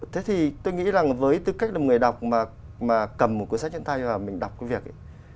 thế thì tôi nghĩ rằng với tư cách là người đọc mà cầm một cuốn sách chân tay và mình đọc cái việc ấy